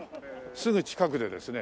すぐ近くでですね。